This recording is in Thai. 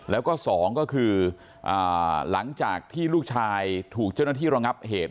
แล้วก็สองก็คือหลังจากที่ลูกชายถูกเจ้าหน้าที่ระงับเหตุ